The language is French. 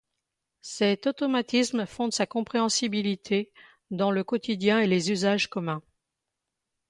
Cet automatisme fonde sa compréhensibilité dans le quotidien et les usages communs.